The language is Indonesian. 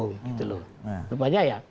gitu loh rupanya ya